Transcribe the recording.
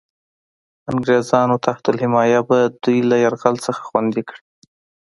انګرېزانو تحت الحیه به دوی له یرغل څخه خوندي کړي.